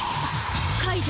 解除。